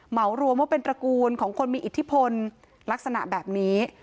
เหมารวมว่าเป็นตระกูลของคนมีอิทธิพลลักษณะแบบนี้